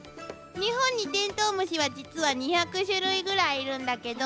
日本にテントウムシは実は２００種類ぐらいいるんだけど。